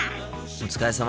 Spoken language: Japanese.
お疲れさま。